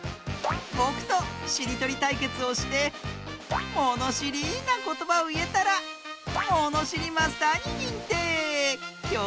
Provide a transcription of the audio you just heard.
ぼくとしりとりたいけつをしてものしりなことばをいえたらもにしりマスターににんてい！